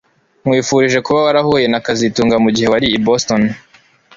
Nkwifurije kuba warahuye na kazitunga mugihe wari i Boston